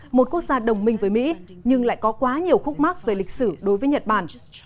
một quốc gia đồng minh với mỹ nhưng lại có quá nhiều khúc mắc về lịch sử đối với nhật bản